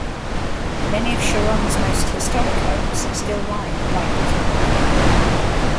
Many of Sharon's most historic homes still line the White River.